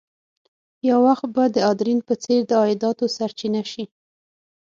یو وخت به د اردن په څېر د عایداتو سرچینه شي.